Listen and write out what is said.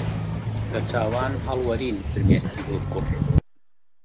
لە چاوان هەڵوەرین فرمێسکی گوڕگوڕ